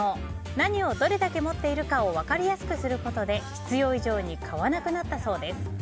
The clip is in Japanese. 何をどれだけ持っているかを分かりやすくすることで必要以上に買わなくなったそうです。